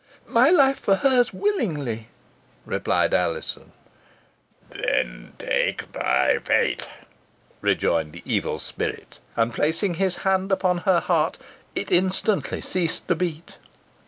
"My life for her's, willingly," replied Alizon. "Then take thy fate," rejoined the evil spirit. And placing his hand upon her heart, it instantly ceased to beat.